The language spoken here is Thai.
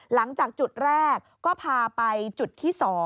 หลังจากจุดแรกก็พาไปจุดที่๒